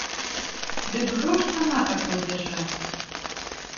Дык грош цана такой дзяржаве.